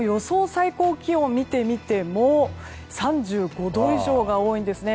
最高気温を見てみても３５度以上が多いんですね。